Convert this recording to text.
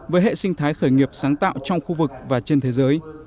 với hệ sinh thái khởi nghiệp sáng tạo trong khu vực và trên thế giới